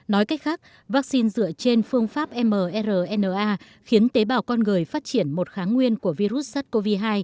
nói cách khác vaccine dựa trên phương pháp mrna khiến tế bào con người phát triển một kháng nguyên của virus sars cov hai